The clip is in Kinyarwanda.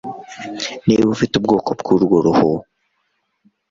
Niba ufite ubwoko bw'urwo ruhu